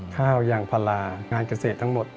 ข้าวยางพลางานเกษตรทั้งหมด